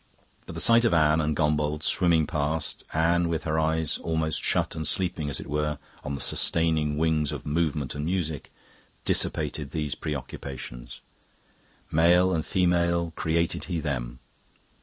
But the sight of Anne and Gombauld swimming past Anne with her eyes almost shut and sleeping, as it were, on the sustaining wings of movement and music dissipated these preoccupations. Male and female created He them...